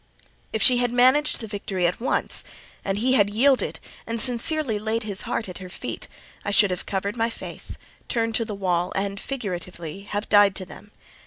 If she had managed the victory at once, and he had yielded and sincerely laid his heart at her feet, I should have covered my face, turned to the wall, and (figuratively) have died to them.